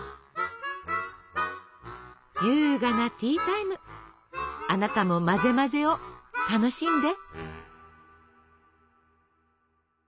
優雅なティータイムあなたも混ぜ混ぜを楽しんで！